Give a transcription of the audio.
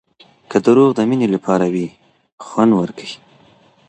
که دروغ د مینې لپاره وي خوند ورکوي.